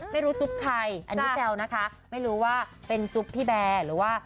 จุ๊บใครอันนี้แซวนะคะไม่รู้ว่าเป็นจุ๊บที่แบร์หรือว่า